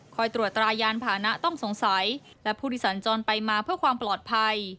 ตรวจตรายานผ่านะต้องสงสัยและผู้ที่สัญจรไปมาเพื่อความปลอดภัย